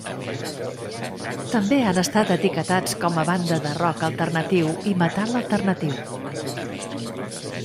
També han estat etiquetats com a banda de rock alternatiu i metal alternatiu.